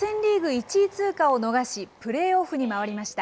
１位通過を逃し、プレーオフに回りました。